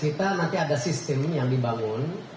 kita nanti ada sistem yang dibangun